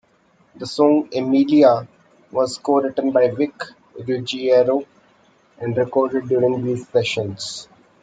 The song "Emelia" was co-written by Vic Ruggiero and recorded during these sessions.